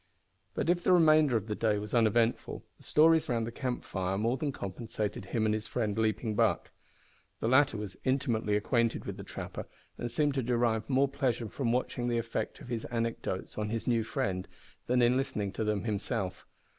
But if the remainder of the day was uneventful, the stories round the camp fire more than compensated him and his friend Leaping Buck. The latter was intimately acquainted with the trapper, and seemed to derive more pleasure from watching the effect of his anecdotes on his new friend than in listening to them himself.